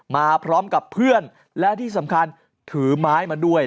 มาพร้อมกับเพื่อนและที่สำคัญถือไม้มาด้วย